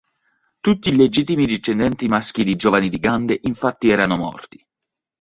Tutti i legittimi discendenti maschi di Giovanni di Gand infatti erano morti.